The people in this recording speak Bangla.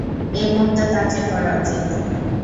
এই মুহূর্তে তা চেক করা উচিত।